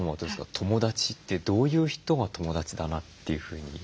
友だちってどういう人が友だちだなというふうに？